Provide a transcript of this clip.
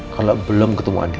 kalau belum ketemu andin